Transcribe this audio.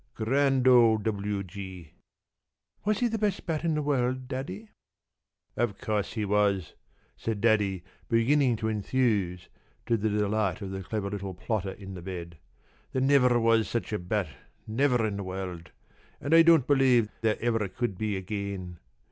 Grand old W.G.!" "Was he the best bat in the world, Daddy?" "Of course he was," said Daddy, beginning to enthuse, to the delight of the clever little plotter in the bed. "There never was such a bat never in the world and I don't believe there ever could be again.